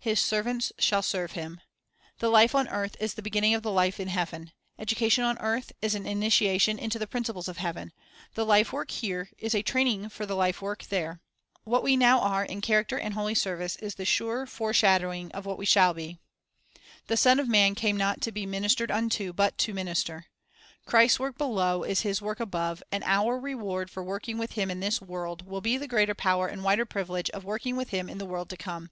"His servants shall serve Him."' 1 The life on earth is the beginning of the life in heaven ; education on earth is an initiation into the principles of heaven; the life work here is a training for the life work there. What we now are, in character and holy service, is the sure foreshadowing of what we shall be. Music uud Song Treasures of the Universe 1 Ps. 87 : Isa. 24 : 1 (.* Eph. 308 The Higher Course "The Son of man came not to be ministered unto, but to minister." 1 Christ's work below is His work above, and our reward for working with Him in this world will be the greater power and wider privilege of working with Him in the world to come.